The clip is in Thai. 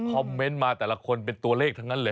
คอมเมนต์มาแต่ละคนเป็นตัวเลขทั้งนั้นเลย